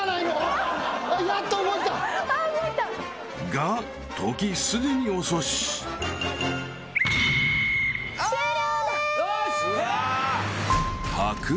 ［が時すでに遅し］終了です！